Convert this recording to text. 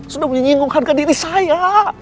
sudah menyinggung harga diri saya